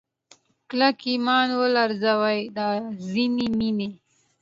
کلک ایمان ولړزوي دا ځینې مینې